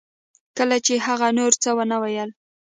کله چې هغې نور څه ونه ویل